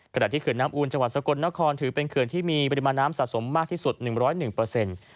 ขณะที่เขื่อนน้ำอูนจังหวัดสกลนครถือเป็นเขื่อนที่มีปริมาณน้ำสะสมมากที่สุด๑๐๑เปอร์เซ็นต์